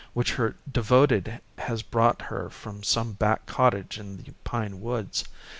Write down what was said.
which her devoted has brought her from some back cottage in the pine woods.